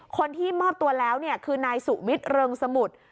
คนที่มอบตัวแล้วเนี่ยคือนายสุมิตรเริงสมุทร